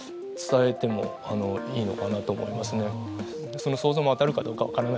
その想像も当たるかどうかわからないんで。